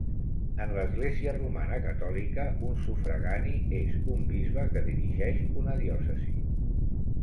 En l'església romana catòlica, un sufragani és un bisbe que dirigeix una diòcesi.